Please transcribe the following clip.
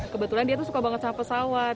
kebetulan dia tuh suka banget sama pesawat